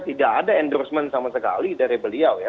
tidak ada endorsement sama sekali dari beliau ya